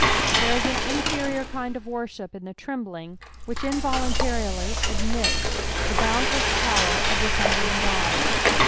There ia an inferior kind of worship in the trembline which InToluDtsril^ adroitB the bo<indle» power oF the thundering Qcid.